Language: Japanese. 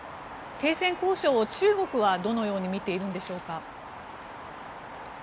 停戦交渉を中国はどのように見ているんでしょうか？